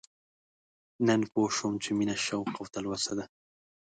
نو پوه شوم چې مينه شوق او تلوسه ده